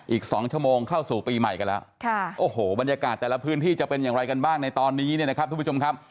อีก๒ชั่วโมงเข้าสู่ปีใหม่กันแล้วโอ้โหบรรยากาศแต่ละพื้นที่จะเป็นอย่างไรกันบ้างในตอนนี้เนี่ยนะครับทุกผู้ชมครับ